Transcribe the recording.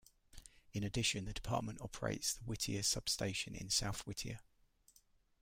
In addition the department operates the Whittier Substation in South Whittier.